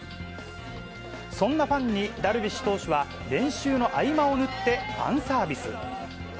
そんなファンに、ダルビッシュ投手は、練習の合間を縫ってファンサービス。